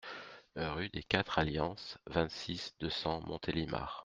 Rue des Quatre Alliances, vingt-six, deux cents Montélimar